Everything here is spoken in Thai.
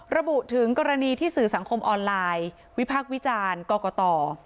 ระบุถึงกรณีที่สื่อสังคมออนไลน์วิพากษ์วิจารณ์กรกต